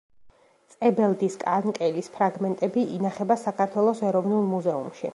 წებელდის კანკელის ფრაგმენტები ინახება საქართველოს ეროვნულ მუზეუმში.